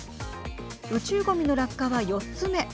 宇宙ごみの落下は４つ目。